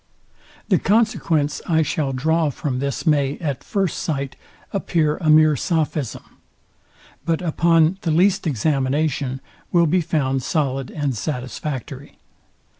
Part II, Sect. 6. The consequence I shall draw from this may, at first sight, appear a mere sophism; but upon the least examination will be found solid and satisfactory.